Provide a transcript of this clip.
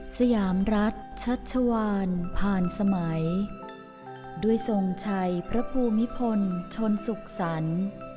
สยามรัฐชัชวานผ่านสมัยด้วยทรงชัยพระภูมิพลชนสุขสรรค์